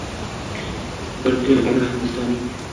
Bir kun ona Hindistonning